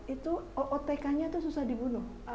itu otk nya itu susah dibunuh